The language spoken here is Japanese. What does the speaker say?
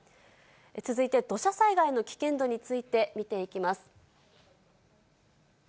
続いて土砂災害の危険度について見ていきます。